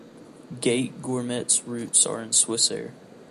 Gate Gourmet's roots are in Swissair.